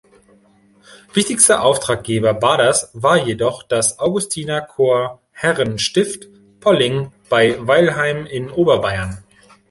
Wichtigster Auftraggeber Baaders war jedoch das Augustinerchorherrenstift Polling bei Weilheim in Oberbayern.